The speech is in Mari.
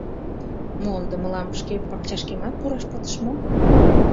— Мо, ынде мылам шке пакчашкемат пураш пытыш мо?